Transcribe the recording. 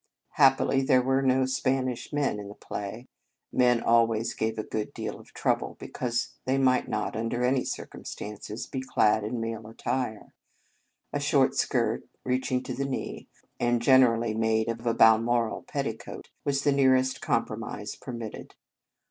Happily, there were no Spanish men 49 In Our Convent Days in the play. Men always gave a good deal of trouble, because they might not, under any circumstances, be clad in male attire. A short skirt, reaching to the knee, and generally made of a balmoral petticoat, was the nearest compromise permitted.